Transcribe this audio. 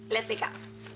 lihat deh kak